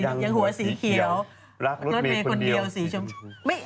ไทรรัฐยังหัวสีเกียวรักรสเมล์คนเดียวสี่ฉบมง